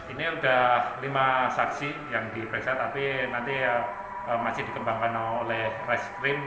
ini sudah lima saksi yang diperiksa tapi nanti masih dikembangkan oleh reskrim